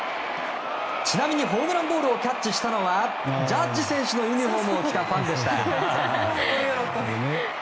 ちなみにホームランボールをキャッチしたのはジャッジ選手のユニホームを着たファンでした。